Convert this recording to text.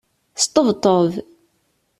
Sṭebṭeb.